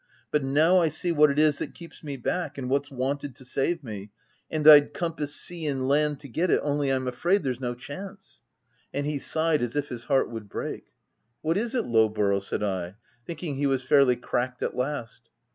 But now I see what it is that keeps me back, and what's wanted to save me ; and I'd compass sea and land to get it — only I'm afraid there's no chance.' And he sighed as if his heart would break. "'■ What is it Lowborough?' said I, thinking he was fairly cracked at last.